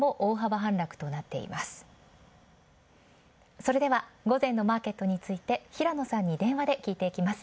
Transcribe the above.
それでは午前のマーケットについて平野さんに電話で聞いていきます。